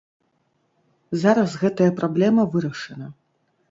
Зараз гэтая праблема вырашана.